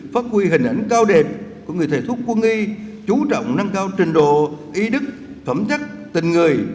phát huy hình ảnh cao đẹp của người thầy thuốc quân y chú trọng nâng cao trình độ ý đức phẩm chất tình người